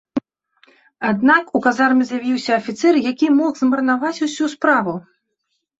Аднак, у казарме з'явіўся афіцэр, які мог змарнаваць усю справу.